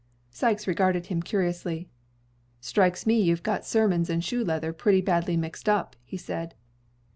Sikes regarded him curiously. "Strikes me you've got sermons and shoe leather pretty badly mixed up," he said.